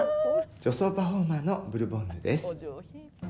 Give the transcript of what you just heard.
女装パフォーマーのブルボンヌです。